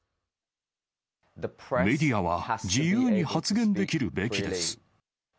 メディアは、自由に発言できるべきです。